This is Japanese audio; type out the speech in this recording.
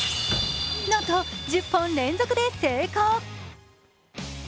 なんと１０本連続で成功。